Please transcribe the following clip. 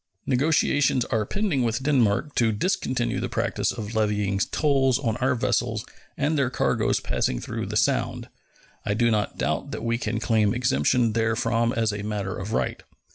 Negotiations are pending with Denmark to discontinue the practice of levying tolls on our vessels and their cargoes passing through the Sound. I do not doubt that we can claim exemption therefrom as a matter of right.